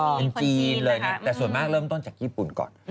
เป็นจีนเลยแต่ส่วนมากเริ่มต้นจากญี่ปุ่นก่อน